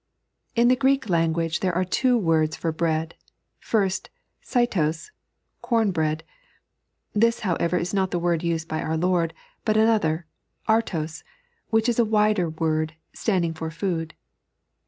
In the Greek language there are two words for bread — first, cytos (corn bread). This, however, is not the word used by our Lord, but another, arlos, which is a wider word, standing for food.